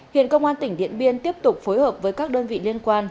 hiện công an tỉnh điện biên tiếp tục phối hợp với các đơn vị liên quan